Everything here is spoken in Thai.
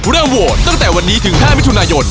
เริ่มโหวตตั้งแต่วันนี้ถึง๕มิถุนายน